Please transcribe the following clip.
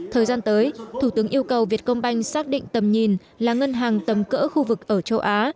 thời gian tới thủ tướng yêu cầu việt công banh xác định tầm nhìn là ngân hàng tầm cỡ khu vực ở châu á